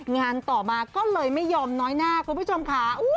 งานต่อมาก็เลยไม่ยอมน้อยหน้าคุณผู้ชมค่ะ